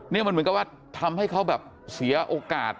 นี่มันเหมือนกับว่าทำให้เขาแบบเสียโอกาส